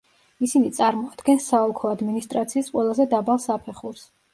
ისინი წარმოადგენს საოლქო ადმინისტრაციის ყველაზე დაბალ საფეხურს.